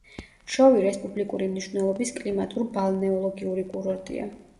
შოვი რესპუბლიკური მნიშვნელობის კლიმატურ-ბალნეოლოგიური კურორტია.